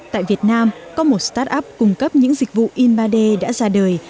tại việt nam có một start up cung cấp những dịch vụ in ba d đã ra đời